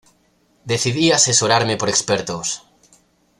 decidí asesorarme por expertos